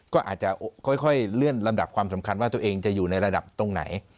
ก็อาจจะค่อยเลื่อนลำดับความสำคัญว่าตัวเองจะอยู่ในระดับตรงไหน